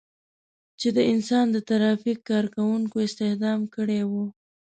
چې د انسان د ترافیک کار کوونکو استخدام کړي وو.